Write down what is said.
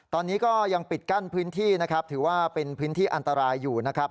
ตอนนี้ก็ยังปิดกั้นพื้นที่นะครับถือว่าเป็นพื้นที่อันตรายอยู่นะครับ